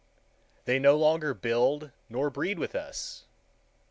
They no longer build nor breed with us.